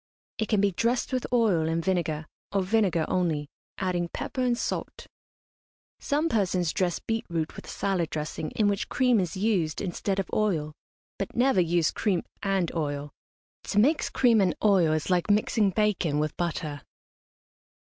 It can be dressed with oil and vinegar, or vinegar only, adding pepper and salt. Some persons dress beet root with a salad dressing in which cream is used instead of oil; but never use cream and oil. To mix cream and oil is like mixing bacon with butter.